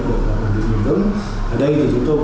để đạt được nguyên vững ở đây thì chúng tôi